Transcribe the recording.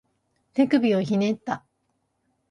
手首をひねった